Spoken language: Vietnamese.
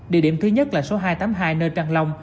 địa điểm thứ nhất là số hai trăm tám mươi hai nơi trang long